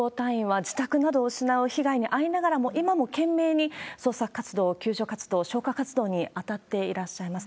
ラハイナの消防隊員は自宅を失うなどしながらも今も懸命に、捜索活動、救助活動、消火活動に当たっていらっしゃいます。